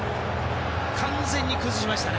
完全に崩しましたね。